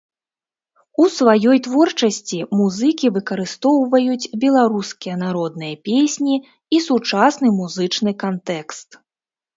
У сваёй творчасці музыкі выкарыстоўваюць беларускія народныя песні і сучасны музычны кантэкст.